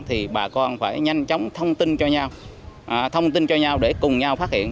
thì bà con phải nhanh chóng thông tin cho nhau để cùng nhau phát hiện